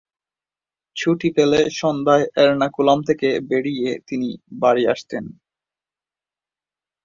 ছুটি পেলে সন্ধ্যায় এর্নাকুলাম থেকে বেরিয়ে তিনি বাড়ি আসতেন।